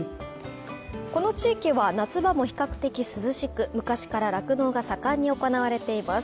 この地域は夏場も比較的涼しく、昔から酪農が盛んに行われています。